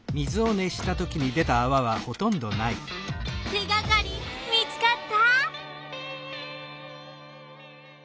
手がかり見つかった？